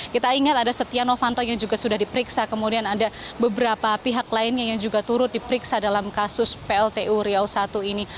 kita ingat ada setia novanto yang juga sudah diperiksa kemudian ada beberapa pihak lainnya yang juga turut diperiksa dalam kasus pltu riau i ini